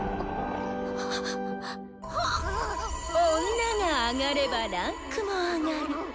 女が上がれば位階も上がる。